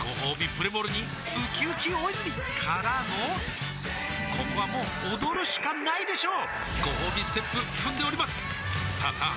プレモルにうきうき大泉からのここはもう踊るしかないでしょうごほうびステップ踏んでおりますさあさあ